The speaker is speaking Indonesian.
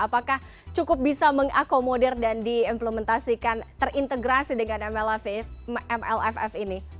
apakah cukup bisa mengakomodir dan diimplementasikan terintegrasi dengan mlff ini